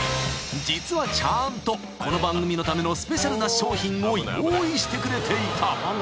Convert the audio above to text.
［実はちゃんとこの番組のためのスペシャルな商品を用意してくれていた！］